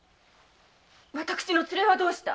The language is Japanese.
私の連れはどうした？